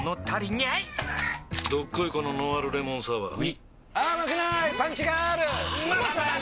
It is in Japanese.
どっこいこのノンアルレモンサワーうぃまさに！